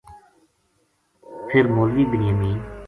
فر مولوی بنیامین